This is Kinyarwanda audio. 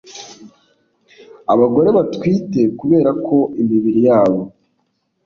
abagore batwite kubera ko imibiri yabo